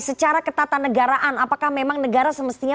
secara ketatan negaraan apakah memang negara semestinya